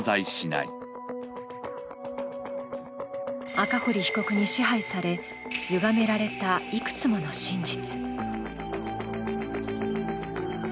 赤堀被告に支配され、ゆがめられたいくつもの真実。